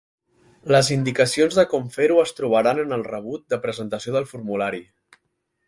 Les indicacions de com fer-ho es trobaran en el rebut de presentació del formulari.